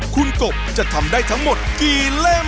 คุณกบจะทำได้ทั้งหมดกี่เล่ม